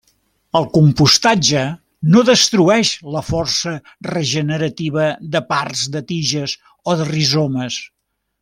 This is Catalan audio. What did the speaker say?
El compostatge no destrueix la força regenerativa de parts de tiges o de rizomes.